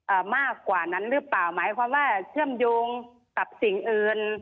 มากกว่านั้นหรือเปล่าหมายความว่าเชื่อมโยงกับสิ่งอื่น